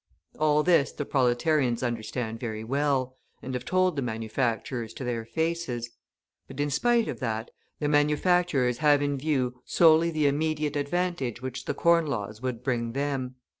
All this the proletarians understand very well, and have told the manufacturers to their faces; but, in spite of that, the manufacturers have in view solely the immediate advantage which the Corn Laws would bring them.